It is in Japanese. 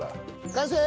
完成！